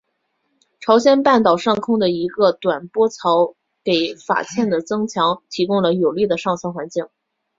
朝鲜半岛上空的一个短波槽给法茜的增强提供了有利的上层环境。